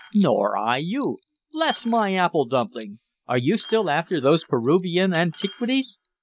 "Nor I you. Bless my apple dumpling! Are you still after those Peruvian antiquities?"